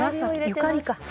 ゆかりか。